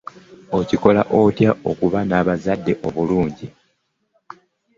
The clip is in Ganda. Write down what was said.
Okikola otya okuba n'abazadde abalungi.